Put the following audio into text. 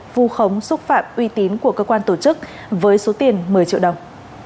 vu khống xúc phạm uy tín của cơ quan tổ chức với số tiền một mươi triệu đồng